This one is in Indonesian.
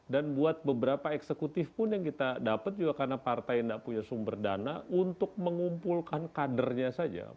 dan buat beberapa eksekutif pun yang kita dapat juga karena partai tidak punya sumber dana untuk mengumpulkan kadernya saja